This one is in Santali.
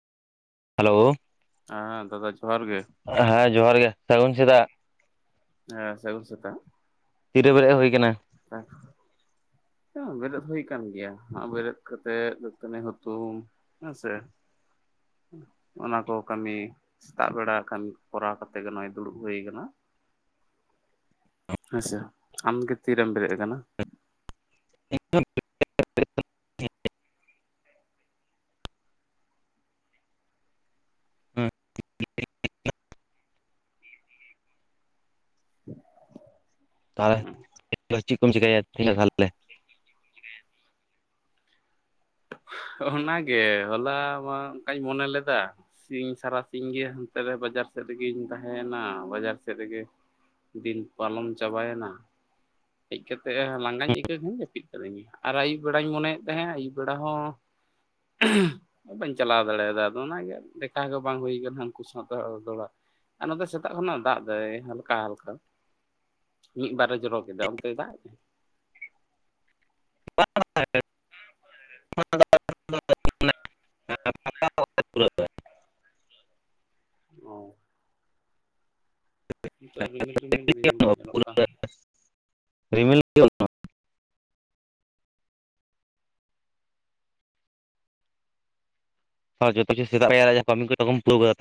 ᱦᱮᱞᱳ ᱾ ᱟᱸ ᱫᱟᱫᱟ ᱡᱚᱦᱟᱨ ᱜᱮ᱾ ᱦᱮᱸ ᱡᱚᱦᱟᱨ ᱜᱮ ᱥᱟᱹᱜᱩᱱ ᱥᱮᱛᱟᱜ᱾ ᱦᱮ ᱥᱟᱹᱜᱩᱱ ᱥᱮᱛᱟᱜ ᱾ ᱛᱤᱨᱟᱹ ᱵᱮᱨᱮᱜ ᱦᱳᱭ ᱠᱟᱱᱟ? ᱟᱪᱪᱷᱟ ᱮᱸ ᱵᱮᱨᱮᱫ ᱦᱳᱭ ᱠᱟᱱ ᱜᱮᱭᱟ ᱵᱮᱨᱮᱫ ᱠᱟᱛᱮᱜ ᱫᱟᱹᱛᱟᱹᱱᱤ ᱦᱩᱛᱩᱢ᱾ ᱦᱮᱸᱥᱮ? ᱚᱱᱟ ᱠᱚ ᱠᱟᱹᱢᱤ ᱥᱮᱛᱟᱜ ᱵᱮᱲᱟ ᱠᱟᱹᱢᱤ ᱠᱚᱨᱟᱣ ᱠᱟᱛᱮᱜ ᱜᱮ ᱱᱚᱜᱚᱭ ᱫᱩᱲᱩᱵ ᱦᱳᱭ ᱠᱟᱱᱟ᱾ ᱦᱮᱸᱥᱮ ᱟᱢᱜᱮ ᱛᱤᱨᱮᱢ ᱵᱮᱨᱮᱫ ᱠᱟᱱᱟ? [inaudible] [inaudible] ᱛᱟᱦᱚᱞᱮ [unintelligible] ᱪᱮᱫ ᱠᱚᱢ ᱪᱤᱠᱟᱭᱟ ᱛᱮᱦᱮᱧᱚᱜ ᱛᱟᱦᱞᱮ? ᱚᱱᱟᱜᱮ ᱦᱚᱞᱟ ᱢᱟ ᱚᱱᱠᱟᱧ ᱢᱚᱱᱮ ᱞᱮᱫᱟ, ᱥᱤᱧ ᱥᱟᱨᱟᱥᱤᱧ ᱜᱮ ᱦᱟᱱᱛᱮ ᱨᱮ ᱵᱟᱡᱟᱨ ᱥᱮᱫ ᱨᱮᱜᱤᱧ ᱛᱟᱦᱮᱸᱱᱟ, ᱵᱟᱡᱟᱨ ᱥᱮᱫ ᱨᱮᱜᱮ ᱫᱤᱱ ᱯᱟᱞᱚᱱ ᱪᱟᱵᱟᱭ ᱱᱟ᱾ ᱦᱮᱡ ᱠᱟᱛᱮᱜ ᱞᱟᱸᱜᱟᱧ ᱟᱹᱭᱠᱟᱹᱣ ᱠᱷᱟᱱ ᱡᱟᱹᱯᱤᱫ ᱠᱟᱹᱫᱟᱹᱧ, ᱟᱨ ᱟᱹᱭᱩᱵ ᱵᱮᱲᱟ ᱦᱚᱧ ᱢᱚᱱᱮᱭᱮᱫ ᱛᱟᱦᱮᱸᱜ ᱟᱹᱭᱩᱵ ᱵᱮᱲᱟ ᱦᱚᱸ [unintelligible] ᱵᱟᱹᱧ ᱪᱟᱞᱟᱣ ᱫᱟᱲᱮᱭᱟᱫᱟ ᱟᱫᱚ ᱚᱱᱟᱜᱮ ᱫᱮᱠᱷᱟ ᱜᱮ ᱵᱟᱝ ᱦᱩᱭ ᱠᱟᱱᱟ ᱩᱱᱠᱩ ᱥᱟᱶᱛᱮ ᱫᱚᱦᱲᱟ᱾ ᱟᱨ ᱱᱚᱛᱮ ᱥᱮᱛᱟᱜ ᱠᱷᱚᱱᱟᱜ ᱫᱟᱜ ᱫᱟᱭ ᱦᱟᱞᱠᱟ ᱦᱟᱞᱠᱟ ᱢᱤᱫ ᱵᱟᱨᱮ ᱡᱚᱨᱚ ᱠᱮᱫᱟ ᱚᱱᱛᱮ ᱫᱟᱜ [inaudible] [unintelligible] ᱚ ᱱᱤᱛᱚᱜ ᱨᱤᱢᱤᱞ ᱨᱤᱢᱤᱞ ᱧᱮᱞ ᱫᱚ ᱧᱮᱞᱚᱜ ᱠᱟᱱ ᱜᱮᱭᱟ᱾ ᱨᱤᱢᱤᱞ [unintelligible] ᱛᱟᱣ ᱡᱷᱚᱛᱚ ᱠᱤᱪᱷᱩ ᱥᱮᱛᱟᱜ ᱯᱟᱭᱟᱨ ᱨᱮ ᱠᱟᱹᱢᱤ ᱠᱚᱢ ᱯᱩᱨᱟᱹᱣ ᱠᱟᱫᱟ?